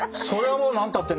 もう何たってね